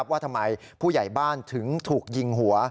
ว่าทำไมผู้ใหญ่บ้านถึงถูกยิงหัว